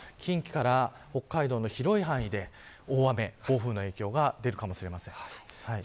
７号に関しては、近畿から北海道の広い範囲で大雨、暴風雨の影響が出るかもしれません。